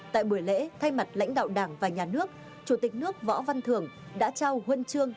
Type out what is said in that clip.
tại buổi lễ thay mặt lãnh đạo đảng và nhà nước chủ tịch nước võ văn thưởng đã trao huân chương